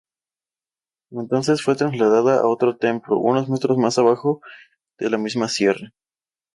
Entonces fue trasladada a otro templo, unos metros más abajo en la misma sierra.